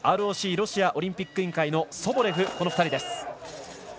ＲＯＣ＝ロシアオリンピック委員会のソボレフの２人です。